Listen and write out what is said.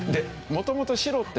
もともと白ってね